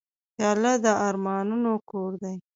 پیاله د ارمانونو کور دی.